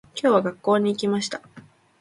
今日は、学校に行きました。